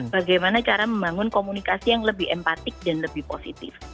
bagaimana cara membangun komunikasi yang lebih empatik dan lebih positif